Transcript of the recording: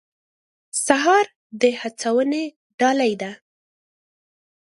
سهار د هڅونې ډالۍ ده.